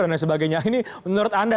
dan sebagainya ini menurut anda